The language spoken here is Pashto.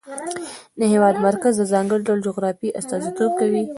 د هېواد مرکز د ځانګړي ډول جغرافیه استازیتوب کوي.